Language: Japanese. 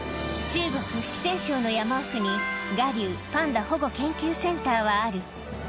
中国・四川省の山奥に、臥龍パンダ保護研究センターはある。